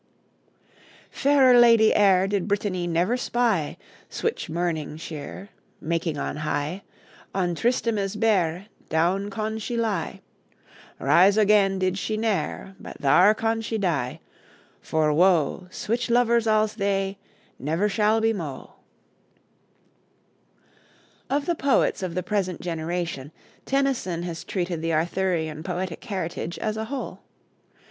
"Fairer ladye ere Did Britannye never spye, Swiche murning chere, Making on heighe; On Tristremes bere, Doun con she lye; Rise ogayn did sche nere, But thare con sche dye For woe; Swiche lovers als thei Never schal be moe." Of the poets of the present generation, Tennyson has treated the Arthurian poetic heritage as a whole.